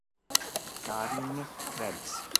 Karin Krebs